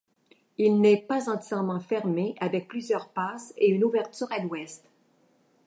Il n'est pas entièrement fermé, avec plusieurs passes et une ouverture à l'ouest.